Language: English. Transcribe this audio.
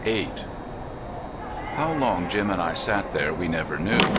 VIII How long Jim and I sat there we never knew.